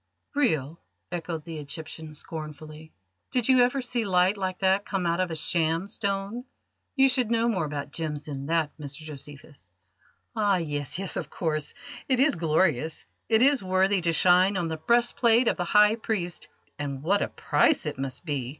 "Real?" echoed the Egyptian scornfully. "Did you ever see light like that come out of a sham stone? You should know more about gems than that, Mr Josephus." "Ah yes, yes, of course. It is glorious; it is worthy to shine on the breastplate of the High Priest and what a price it must be!